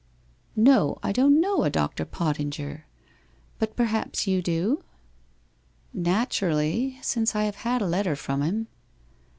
1 No, I don't know a Dr. Pottinger. But perhaps you do?' ' Naturally, since I have had a letter from him.'